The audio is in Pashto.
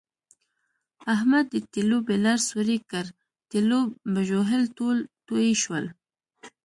احمد د تېلو بیلر سوری کړ، تېلو بژوهل ټول تویې شول.